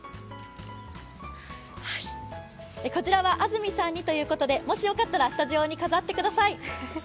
こちらは安住さんにということで、もしよかったらスタジオに飾ってください。